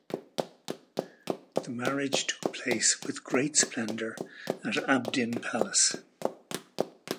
The marriage took place with great splendour at Abdin Palace.